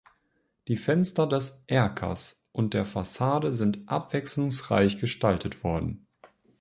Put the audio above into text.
Die Fenster des Erkers und der Fassade sind abwechslungsreich gestaltet worden.